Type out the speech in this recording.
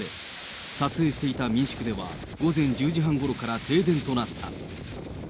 撮影していた民宿では、午前１０時半ごろから停電となった。